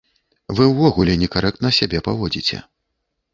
Вы ўвогуле некарэктна сябе паводзіце.